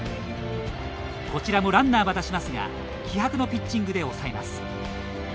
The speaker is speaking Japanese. こちらもランナーは出しますが気迫のピッチングで抑えます。